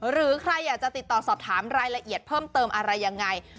หรือใครอยากจะติดต่อสอบถามรายละเอียดเพิ่มเติมอะไรยังไง